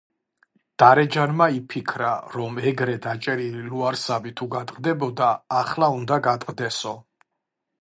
დარეჯანმა იფიქრა, რომ ეგრე დაჭერილი ლუარსაბი თუ გატყდებოდა, ახლა უნდა გატყდესო.